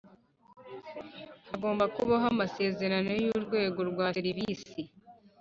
Hagomba kubaho amasezerano y urwego rwa serivisi